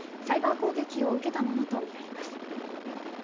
サイバー攻撃を受けたものとみられます。